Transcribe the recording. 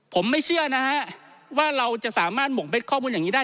ผมไม่เชื่อนะฮะว่าเราจะสามารถหม่งเพชรข้อมูลอย่างนี้ได้